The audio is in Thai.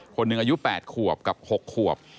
คนหนึ่งอายุ๘ขวบกับ๖ขวบ